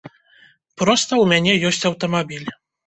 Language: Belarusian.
Проста, у мяне ёсць аўтамабіль.